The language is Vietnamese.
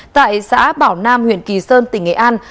tại xã bảo nam huyện kỳ sơn tỉnh nghệ an